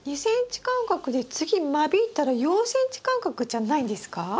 ２ｃｍ間隔で次間引いたら４ｃｍ間隔じゃないんですか？